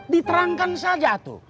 diterangkan saja tuh